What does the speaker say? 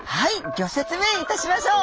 ギョ説明いたしましょう。